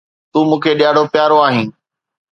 تون مون کي ڏاڍو پيارو آهين